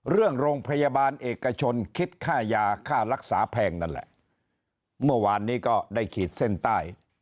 โรงพยาบาลเอกชนคิดค่ายาค่ารักษาแพงนั่นแหละเมื่อวานนี้ก็ได้ขีดเส้นใต้